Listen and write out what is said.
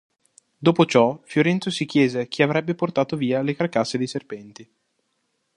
Dopo ciò, Fiorenzo si chiese chi avrebbe portato via le carcasse dei serpenti.